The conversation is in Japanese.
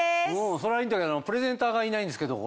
それはいいんだけどプレゼンターがいないんですけど。